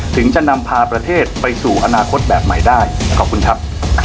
ถึงจะนำพาประเทศไปสู่อนาคตแบบใหม่ได้ขอบคุณครับ